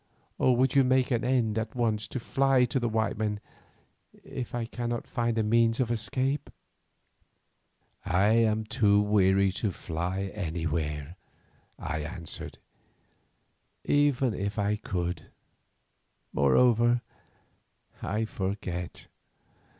Or would you make an end at once and fly to the white men if I can find a means of escape?" "I am too weary to fly anywhere," I answered, "even if I could. Moreover, I forget.